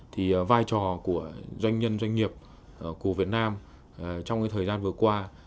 thì vai trò của doanh nhân doanh nghiệp của việt nam trong thời gian vừa qua